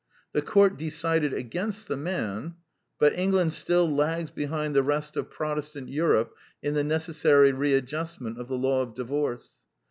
(The court decided against the man; but England still lags behind the rest of Protestant Europe in the necessary readjustment of the law of divorce.